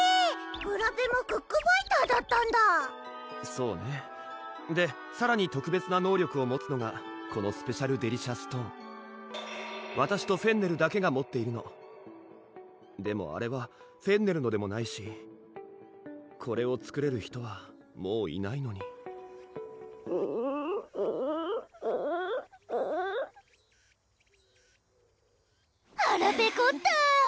ブラペもクックファイターだったんだぁそうねでさらに特別な能力を持つのがこのスペシャルデリシャストーンわたしとフェンネルだけが持っているのでもあれはフェンネルのでもないしこれを作れる人はもういないのにはらペコった！